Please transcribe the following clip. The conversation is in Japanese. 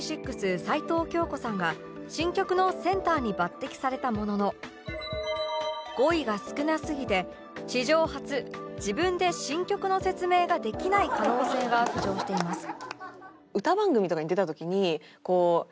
齊藤京子さんが新曲のセンターに抜擢されたものの語彙が少なすぎて史上初自分で新曲の説明ができない可能性が浮上しています